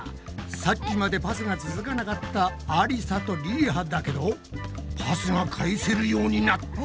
さっきまでパスが続かなかったありさとりりはだけどパスが返せるようになった！